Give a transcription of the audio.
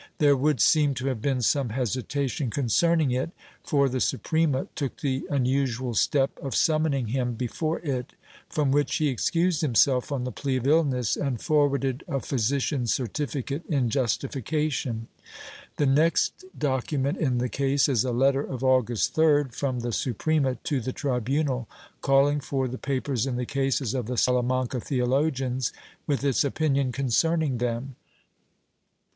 There would seem to have been some hesitation concerning it, for the Suprematook the unusual step of summoning him before it, from which he excused himself on the plea of illness and for warded a physician's certificate in justification. The next docu ment in the case is a letter of August 3d, from the Suprema to the tribunal, calling for the papers in the cases of the Salamanca theologians, with its opinion concerning them.